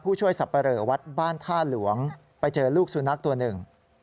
ช่วยสับปะเหลอวัดบ้านท่าหลวงไปเจอลูกสุนัขตัวหนึ่ง